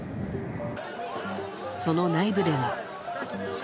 その内部では。